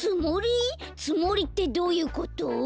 つもりってどういうこと？